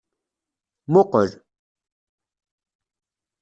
Muqel.